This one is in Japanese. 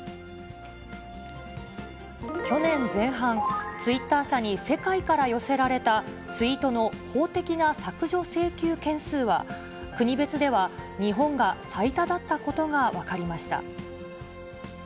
去年前半、ツイッター社に世界から寄せられたツイートの法的な削除請求件数は国別では日本が最多だったことが分かりました。